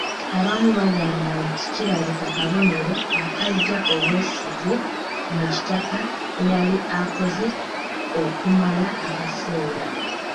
Abamu bagamba nti kalabika kabonero akaggya obwesige mu Kitaka eyali akoze okumala akaseera.